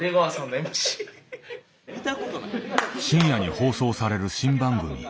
深夜に放送される新番組。